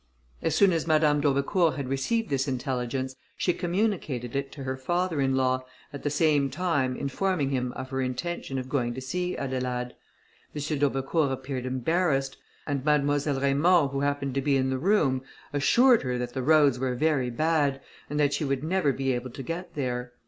As soon as Madame d'Aubecourt had received this intelligence, she communicated it to her father in law, at the same time informing him of her intention of going to see Adelaide. M. d'Aubecourt appeared embarrassed, and Mademoiselle Raymond, who happened to be in the room, assured her that the roads were very bad, and that she would never be able to get there.